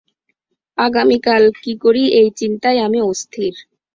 আগামীকাল কি করি এই চিন্তায় আমি অস্থির।